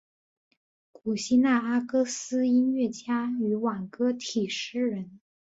古希腊阿哥斯音乐家与挽歌体诗人。